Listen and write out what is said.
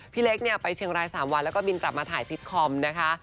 พี่เล็กเนี่ยไปเชียงราย๓วันแล้วก็บินกลับมาถ่ายซิตคอมนะคะ